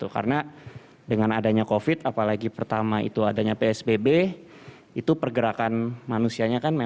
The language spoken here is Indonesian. karena dengan adanya covid apalagi pertama itu adanya psbb itu pergerakan manusianya kan memang